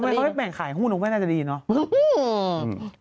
ทำไมเขาให้แบ่งขายหู้นูกไว้น่าจะดีเนอะ